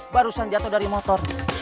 barusan jatuh dari motor